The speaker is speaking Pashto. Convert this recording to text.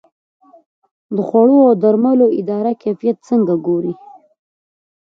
د خوړو او درملو اداره کیفیت څنګه ګوري؟